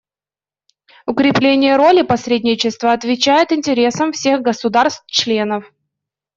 Укрепление роли посредничества отвечает интересам всех государств-членов.